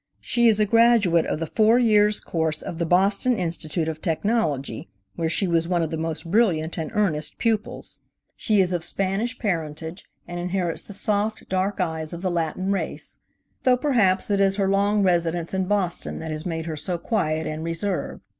She is a graduate of the Four Years' Course of the Boston Institute of Technology, where she was one of the most brilliant and earnest pupils. She is of Spanish parentage, and inherits the soft, dark eyes of the Latin race; though, perhaps, it is her long residence in Boston that has made her so quiet and reserved.